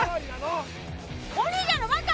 お兄ちゃんのバカ！